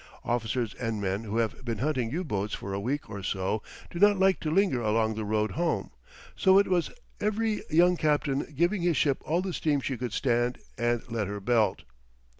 Officers and men who have been hunting U boats for a week or so do not like to linger along the road home; so it was every young captain giving his ship all the steam she could stand and let her belt.